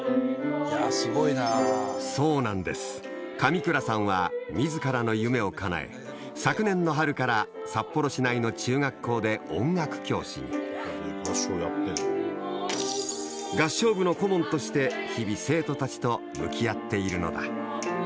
そうなんです上倉さんは自らの夢をかなえ昨年の春から札幌市内の中学校で音楽教師に合唱部の顧問として日々生徒たちと向き合っているのだ